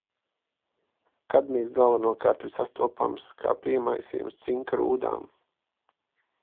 Kadmijs galvenokārt ir sastopamas kā piemaisījums cinka rūdām.